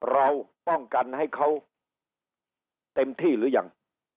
เราป้องกันให้เขาเต็มที่หรือยัง